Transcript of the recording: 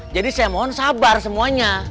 jadi saya mohon sabar semuanya